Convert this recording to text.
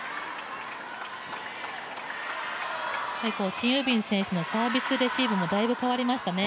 シン・ユビン選手のサービスレシーブもだいぶ変わりましたね